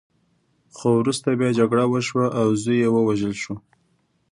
خو وروسته بیا جګړه وشوه او زوی یې ووژل شو.